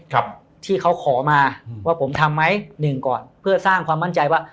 ครับที่เขาขอมาอืมว่าผมทำไหมหนึ่งก่อนเพื่อสร้างความมั่นใจว่า